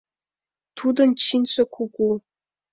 Тудын чинже кугу.